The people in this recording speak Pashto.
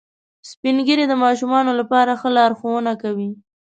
سپین ږیری د ماشومانو لپاره ښه لارښوونه کوي